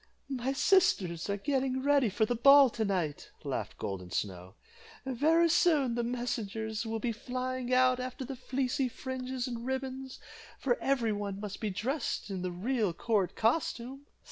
"My sisters are getting ready for the ball to night," laughed Golden Snow. "Very soon the messengers will be flying out after the fleecy fringes and ribbons, for every one must be dressed in the real court costume."